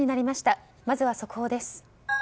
まずは速報です。